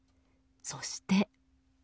そして。